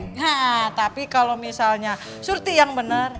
hah tapi kalau misalnya surti yang bener